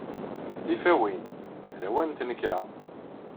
Tifawin. D lawan n tnekra.